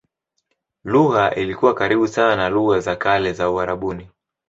Lugha ilikuwa karibu sana na lugha za kale za Uarabuni.